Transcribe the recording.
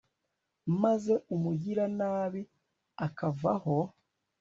maze umugiranabi akavaho